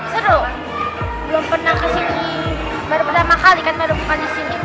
seru belum pernah kesini baru baru lama kali kan baru bukan disini